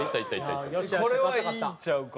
これはいいんちゃうか？